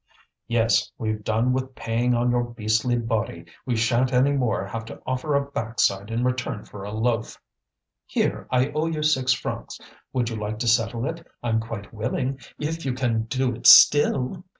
"Yes! we've done with paying on your beastly body; we shan't any more have to offer a backside in return for a loaf." "Here, I owe you six francs; would you like to settle it? I'm quite willing, if you can do it still!"